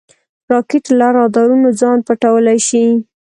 راکټ له رادارونو ځان پټولی شي